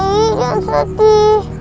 nyai jangan sedih